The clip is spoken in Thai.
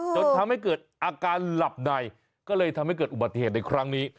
จนทำให้เกิดอาการหลับในก็เลยทำให้เกิดอุบัติเหตุในครั้งนี้